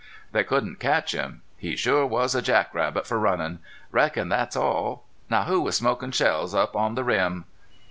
They couldn't catch him. He sure was a jack rabbit for runnin'. Reckon thet's all.... Now who was smokin' shells up on the rim?"